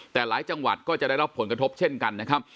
แต่หลายจังหวัดก็จะได้รับผลกระทบเช่นกันนะครับ